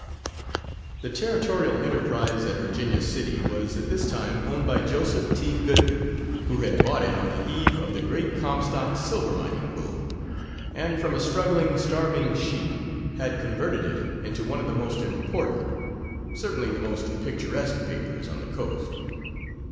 The Territorial Enterprise at Virginia City was at this time owned by Joseph T. Goodman, who had bought it on the eve of the great Comstock silver mining boom, and from a struggling, starving sheet had converted it into one of the most important certainly the most picturesque papers on the coast.